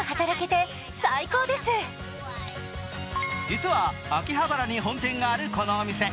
実は秋葉原に本店があるこのお店。